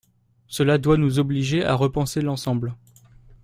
Cela doit nous obliger à repenser l’ensemble.